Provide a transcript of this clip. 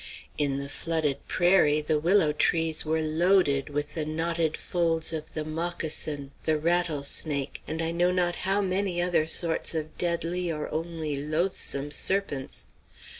In the flooded prairie the willow trees were loaded with the knotted folds of the moccasin, the rattlesnake, and I know not how many other sorts of deadly or only loathsome serpents.